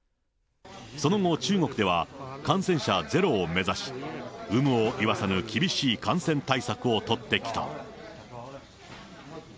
その後、中国では、感染者ゼロを目指し、有無を言わさぬ厳しい感染対策を取ってきた。